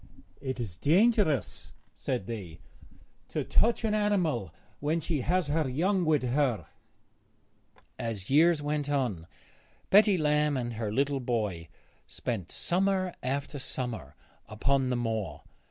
'It is dangerous,' said they, 'to touch an animal when she has her young with her.' As years went on Betty Lamb and her little boy spent summer after summer upon the moor.